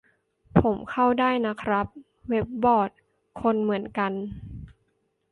ผมเข้าได้นะครับ เว็บบอร์ด คนเหมือนกัน